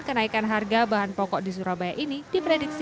kenaikan harga bahan pokok di surabaya ini diprediksi